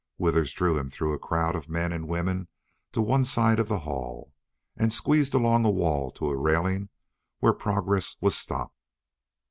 Withers drew him through a crowd of men and women to one side of the hall, and squeezed along a wall to a railing where progress was stopped.